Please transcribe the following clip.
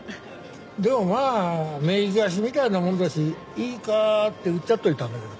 でもまあ名義貸しみたいなもんだしいいかってうっちゃっておいたんだけど。